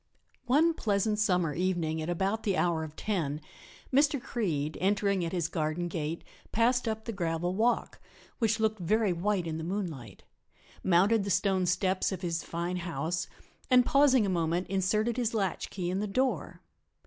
One pleasant summer evening at about the hour of ten Mr. Creede, entering at his garden gate, passed up the gravel walk, which looked very white in the moonlight, mounted the stone steps of his fine house and pausing a moment inserted his latchkey in the door.